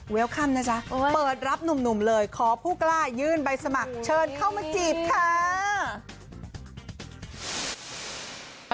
ค่ำนะจ๊ะเปิดรับหนุ่มเลยขอผู้กล้ายื่นใบสมัครเชิญเข้ามาจีบค่ะ